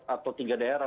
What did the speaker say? atau tiga daerah